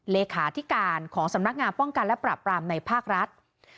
เลขาธิการของสำนักงานป้องกันและปรับปรามในภาครัฐ